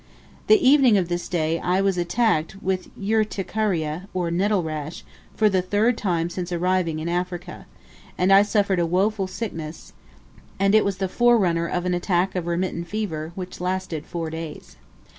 The evening of this day I was attacked with urticaria, or "nettle rash," for the third time since arriving in Africa, and I suffered a woeful sickness; and it was the forerunner of an attack of remittent fever, which lasted four days.